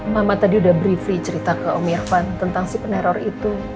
mama tadi udah bree free cerita ke om irfan tentang si peneror itu